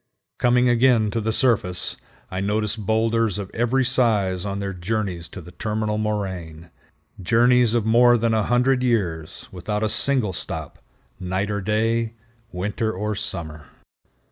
Coming again to the surface, I noticed boulders of every size on their journeys to the terminal moraine—journeys of more than a hundred years, without a single stop, night or day, winter or summer.